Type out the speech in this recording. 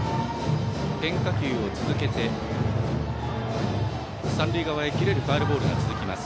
変化球を続けて、三塁側へ切れるファウルボールが続きます。